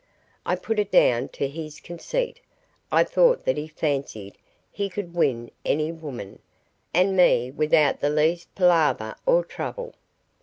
I put it down to his conceit. I thought that he fancied he could win any woman, and me without the least palaver or trouble.